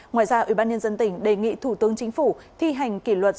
ngoài ra ủy ban nhân dân tỉnh đề nghị thủ tướng chính phủ thi hành kỷ luật